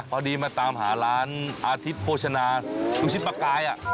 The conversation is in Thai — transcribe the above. พอดีมาตามหาร้านอาทิตย์โภชนาลูกชิ้นปลากาย